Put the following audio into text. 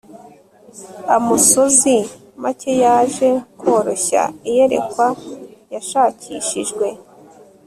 Amosozi make yaje koroshya iyerekwa yashakishijwe